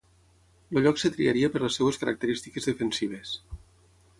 El lloc es triaria per les seues característiques defensives.